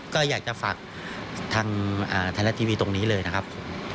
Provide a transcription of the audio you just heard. ก็อยากจะฝากทางไทยรัฐทีวีตรงนี้เลยนะครับผม